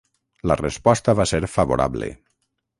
La resposta va ser favorable.